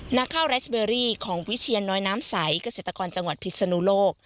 หน้าข้าวแร็ชเบอรี่ของวิเชียร์น้อยน้ำใสกระเศรษฐกรจังหวัดพิศนุโลก